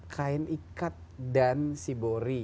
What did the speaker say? kain ikat dan sibori